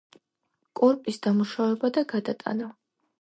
კორპის დამუშავება და გადატანა.